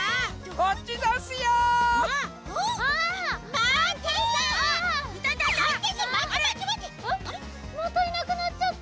またいなくなっちゃった。